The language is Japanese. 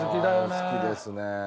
好きですね。